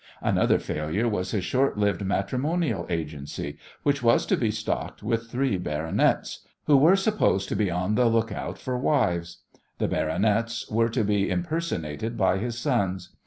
Another failure was his short lived matrimonial agency, which was to be stocked with three "baronets," who were supposed to be on the look out for wives. The "baronets" were to be impersonated by his sons.